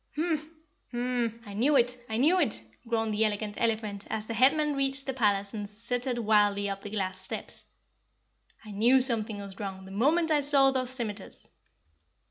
"Mm Mnnn! Mnmph! I knew it, I knew it!" groaned the Elegant Elephant as the Headman reached the palace and scittered wildly up the glass steps. "I knew something was wrong the moment I saw those scimiters."